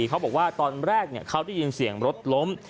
เขาบอกว่าตอนแรกเขาได้ยินเสียงรถล้ม